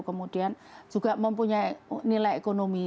kemudian juga mempunyai nilai ekonomi